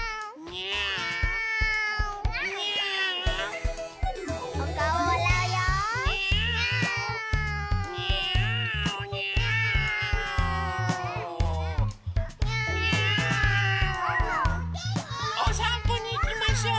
にゃお！おさんぽにいきましょう。